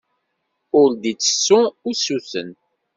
Ur d-ittessu usuten.